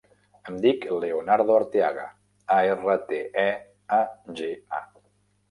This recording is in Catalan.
Em dic Leonardo Arteaga: a, erra, te, e, a, ge, a.